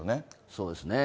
そうですね。